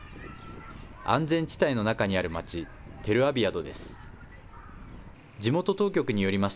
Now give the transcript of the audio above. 安全地帯の中にある町、テルアビャドです。